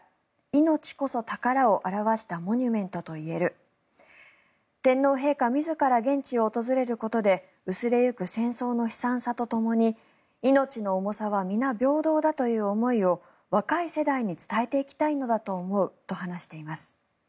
命こそ宝を表したモニュメントといえる天皇陛下自ら現地を訪れることで薄れゆく戦争の悲惨さとともに命の重さは皆平等との思いを若い世代に伝えていきたいのだと思うと話しています。